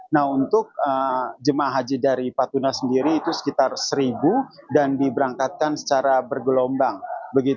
nah untuk jemaah haji dari patuna sendiri itu sekitar seribu dan diberangkatkan secara bergelombang